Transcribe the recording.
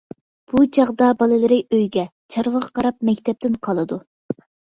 بۇ چاغدا بالىلىرى ئۆيگە، چارۋىغا قاراپ مەكتەپتىن قالىدۇ.